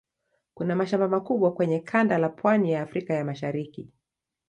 Kuna mashamba makubwa kwenye kanda la pwani ya Afrika ya Mashariki.